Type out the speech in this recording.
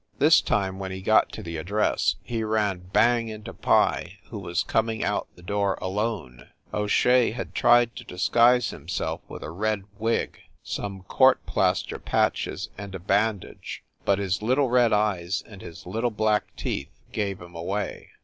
This time, when he got to the address, he ran bang into Pye, who was coming out the door alone. O Shea had tried to disguise himself with a red wig, some court plaster patches and a bandage, but his little red eyes and his little black teeth gave him away.